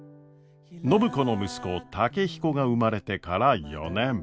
暢子の息子健彦が生まれてから４年。